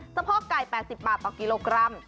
พ่อไก่๘๐บาทต่อกิโลกรัม